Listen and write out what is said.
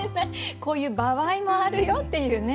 こういう場合もあるよっていうね。